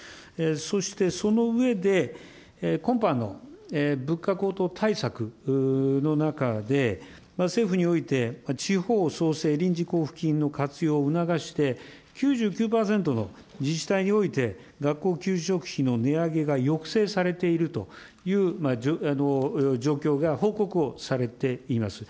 そしてその上で、今般の物価高騰対策の中で、政府において、地方創生臨時交付金の活用を促して、９９％の自治体において、学校給食費の値上げが抑制されているという状況が報告をされています。